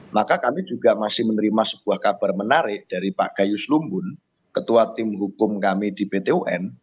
maka kami juga masih menerima sebuah kabar menarik dari pak gayus lumbun ketua tim hukum kami di pt un